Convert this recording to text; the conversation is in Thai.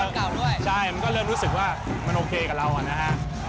แล้วก็เริ่มรู้สึกว่ามันโอเคกับเรานะครับ